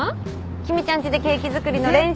君ちゃんちでケーキ作りの練習。